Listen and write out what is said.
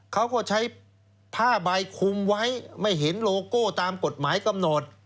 เขาก็ใช้ผ้าใบคุมไว้ไม่เห็นโลโก้ตามกฎหมายกำหนด